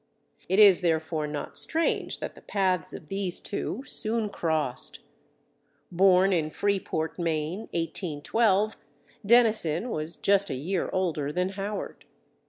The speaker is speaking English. It is therefore not strange that the paths of these two soon crossed. Born in Freeport, Maine, 1812, Dennison was just a year older than Howard.